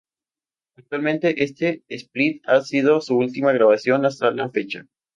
Actualmente este Split ha sido su última grabación hasta la fecha.